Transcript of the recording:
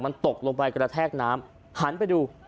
มันตกลงไปกระแทกน้ำหันไปดู